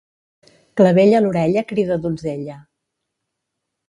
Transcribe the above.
Clavell a l'orella crida donzella.